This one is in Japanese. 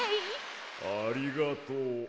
ありがとう。